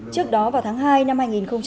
trước đó vào tháng hai năm hai nghìn một mươi năm